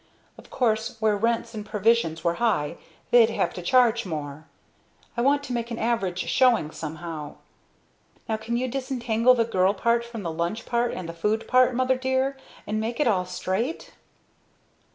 Of course where rents and provisions were high they'd have to charge more. I want to make an average showing somehow. Now can you disentangle the girl part front the lunch part and the food part, mother dear, and make it all straight?"